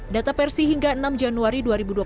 data persi hingga enam januari dua ribu dua puluh satu